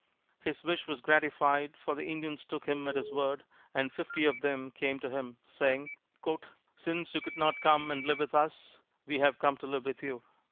His wish was gratified, for the Indians took him at his word, and fifty of them came to him, saying, "Since you could not come and live with us, we have come to live with you."